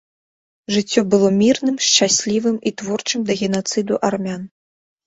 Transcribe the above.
Жыццё было мірным, шчаслівым і творчым да генацыду армян.